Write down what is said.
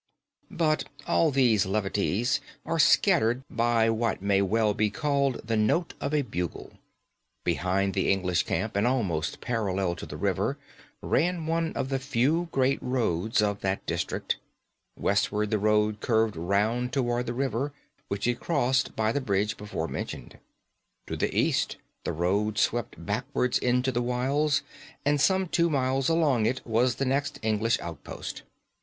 "But all these levities are scattered by what may well be called the note of a bugle. Behind the English camp and almost parallel to the river ran one of the few great roads of that district. Westward the road curved round towards the river, which it crossed by the bridge before mentioned. To the east the road swept backwards into the wilds, and some two miles along it was the next English outpost.